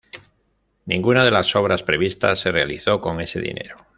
Ninguna de las obras previstas se realizó con ese dinero.